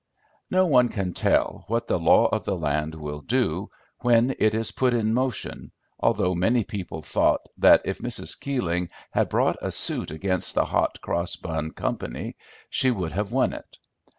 No one can tell what the law of the land will do when it is put in motion, although many people thought that if Mrs. Keeling had brought a suit against the Hot Cross Bun Company she would have won it.